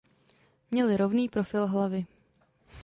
Měli rovný profil hlavy.